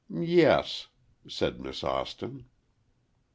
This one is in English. "Yes," said Miss Austin.